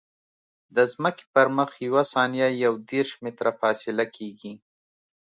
د ځمکې پر مخ یوه ثانیه یو دېرش متره فاصله کیږي